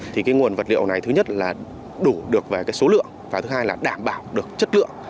thì cái nguồn vật liệu này thứ nhất là đủ được về cái số lượng và thứ hai là đảm bảo được chất lượng